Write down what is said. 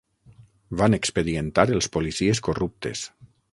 Van expedientar els policies corruptes.